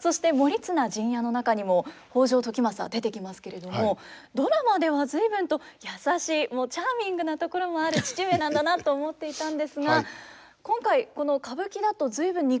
そして「盛綱陣屋」の中にも北条時政出てきますけれどもドラマでは随分と優しいチャーミングなところもある父上なんだなと思っていたんですが今回この歌舞伎だと随分憎々しい感じですね。